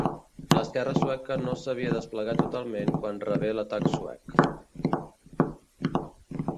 L'esquerra sueca no s'havia desplegat totalment quan rebé l'atac suec.